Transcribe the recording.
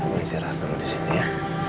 kamu istirahat dulu disini ya